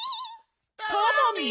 タマミー！